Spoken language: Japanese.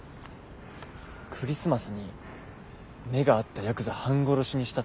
クリスマスに目が合ったヤクザ半殺しにしたってマジ？